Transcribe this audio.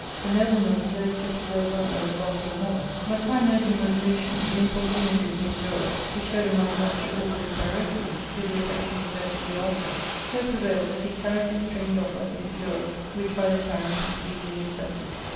"The nobleman was loth to preserve one by the loss of an other ; but time urging resolution, the importunity of Musi dorus, who showed a mind not to overlive Pyrocles, with the affection he bare to Euarchus, so prevailed that he carried this strange offer of Musidorus, which by the tyrant was greedily accepted.